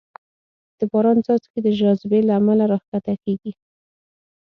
د باران څاڅکې د جاذبې له امله راښکته کېږي.